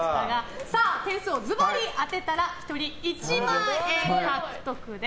点数をズバリ当てたら１人１万円獲得です。